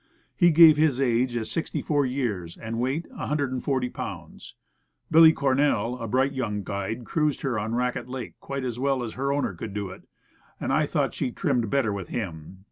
He gave his age as sixty four years, and weight, 140 pounds. Billy Cornell, a bright young guide, cruised her on Raquette Lake quite as well as her owner could do it, and I thought she trimmed better with him.